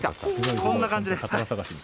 こんな感じです。